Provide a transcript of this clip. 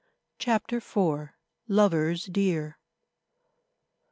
CHAPTER IV. LOVERS DEAR.